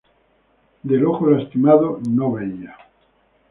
Del ojo lastimado, no veía".